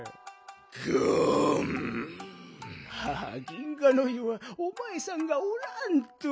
銀河の湯はおまえさんがおらんと。